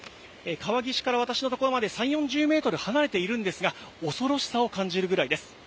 川岸から私の所まで３、４０メートル離れているんですが、恐ろしさを感じるぐらいです。